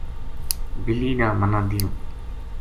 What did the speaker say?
بِلی نا منا دیوں